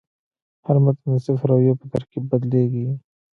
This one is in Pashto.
هر متن د صفر او یو په ترکیب بدلېږي.